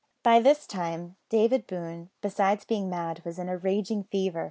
By this time, David Boone, besides being mad, was in a raging fever.